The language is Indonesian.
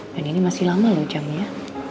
dan ini masih lama loh jamnya